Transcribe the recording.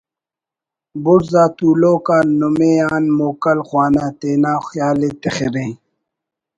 بڑز آ تولوک آ نمے آن موکل خوانہ تینا خیالءِ تخرے